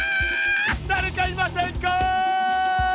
だれかいませんか！